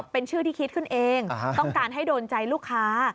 เป็นชื่อที่คิดขึ้นเองต้องการให้โดนใจลูกค้า